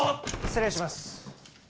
失礼します。